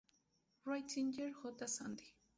Ratzinger J., Santi.